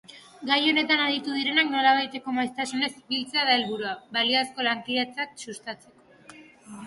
Gai honetan aditu direnak nolabaiteko maiztasunez biltzea da helburua, balizko lankidetzak sustatzeko.